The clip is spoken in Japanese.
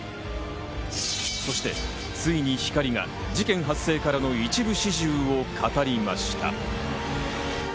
そしてついに光莉が事件発生からの一部始終を語りました。